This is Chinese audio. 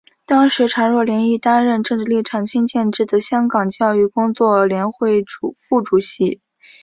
当时蔡若莲亦担任政治立场亲建制的香港教育工作者联会副主席。